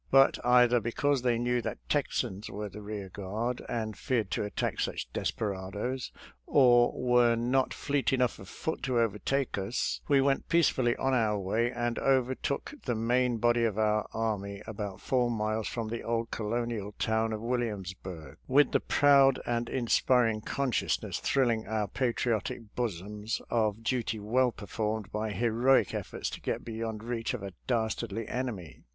But either because they knew that Texans were the rear guard, and feared to attack such desperadoes, or were not fleet enough of foot to overtake us, we went peacefully on our way and overtook the main body of our army about four miles from the old colonial town of Williamsburg — with the proud and inspiring consciousness thrilling our pa triotic bosoms of duty well performed by heroic efforts to get beyond reach of a dastardly enemy.